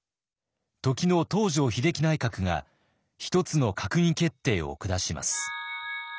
時の東條英機内閣が一つの閣議決定を下します。